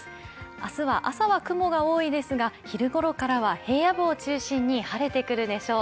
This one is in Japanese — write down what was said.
明日は朝は雲が多いですが昼ごろからは平野部を中心に晴れてくるでしょう。